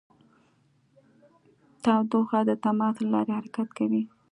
تودوخه د تماس له لارې حرکت کوي.